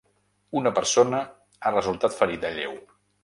Una persona ha resultat ferida lleu.